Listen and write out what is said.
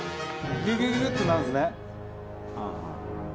ギュギュギュッとなるんですね。